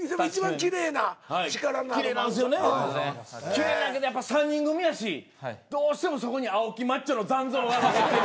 きれいなんやけどやっぱ３人組やしどうしてもそこに青木マッチョの残像が残ってる。